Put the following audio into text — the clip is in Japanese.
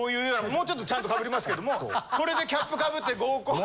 もうちょっとちゃんと被りますけどもこれでキャップ被って合コン。